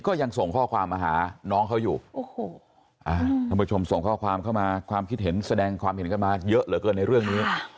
ก็ยังส่งข้อความมาหาน้องเขาอยู่โอ้โหท่านผู้ชมส่งข้อความเข้ามาความคิดเห็นแสดงความเห็นกันมาเยอะเหลือเกินในเรื่องนี้